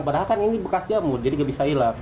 padahal kan ini bekas jamu jadi gak bisa ilang